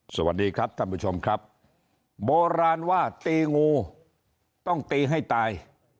สวัสดีครับท่านผู้ชมครับโบราณว่าตีงูต้องตีให้ตาย